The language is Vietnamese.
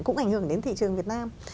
cũng ảnh hưởng đến thị trường việt nam